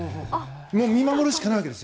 見守るしかないわけです。